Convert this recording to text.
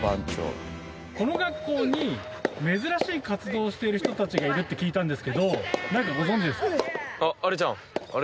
この学校に珍しい活動をしている人たちがいるって聞いたんですけどなんかご存じですか？